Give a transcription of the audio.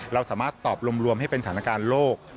เราสามารถตอบรวมให้เป็นสถานการณ์โลก